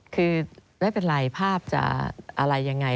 คือไม่เป็นไรภาพจะอะไรยังไง